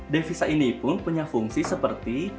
devisa ini pun punya fungsi seperti